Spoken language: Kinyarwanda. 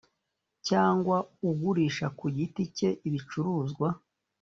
cyangwa ugurisha ku giti cye ibicuruzwa